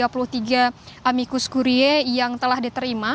dan ini adalah maksudnya maksudnya yang terdapat dari mikus kurie yang telah diterima